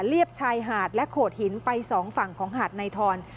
เรียบชายหาดและโขดหินไปสองฝั่งของหาดในทอน